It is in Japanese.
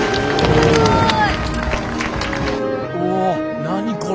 すごい。